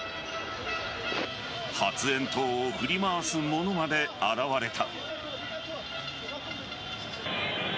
発炎筒を振り回す者まで現れた。